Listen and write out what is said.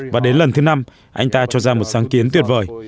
và đến lần thứ năm anh ta cho ra một sáng kiến tuyệt vời